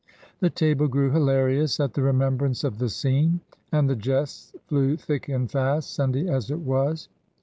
The table grew hilarious at the remembrance of the scene, and the jests flew thick and fast, Sunday as it was.